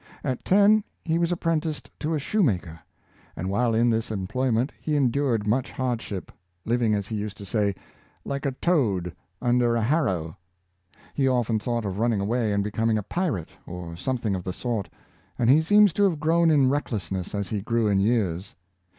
At ten he was apprenticed to a shoemaker, and while in this employment he endured much hardship — living, as he used to say, " like a toad under a harrow.'' He often thought of running away and becoming a pirate, or something of the sort, and he seems to have grown in recklessness as he grew in years.